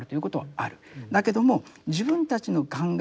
だけども自分たちの考え